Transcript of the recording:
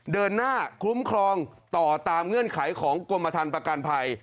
เดินหน้าคุ้มครองต่อตามเงื่อนไขของกรมฐานประกันภัย